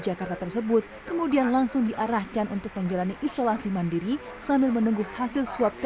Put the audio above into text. jepang langsung diarahkan untuk menjalani isolasi mandiri sambil menunggu hasil swab